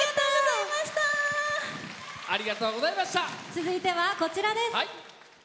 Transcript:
続いてはこちらです。